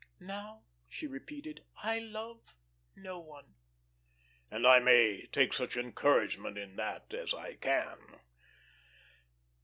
"Now," she repeated, "I love no one." "And I may take such encouragement in that as I can?"